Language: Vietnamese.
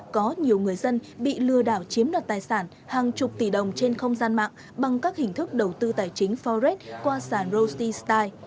có nhiều người dân bị lừa đảo chiếm đoạt tài sản hàng chục tỷ đồng trên không gian mạng bằng các hình thức đầu tư tài chính forex qua sản rosti style